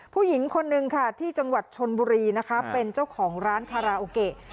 ผู้หญิงคนนึงค่ะที่จังหวัดชนบุรีนะคะเป็นเจ้าของร้านคาราโอเกะ